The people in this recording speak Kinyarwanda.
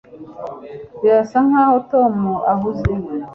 birasa nkaho tom ahuze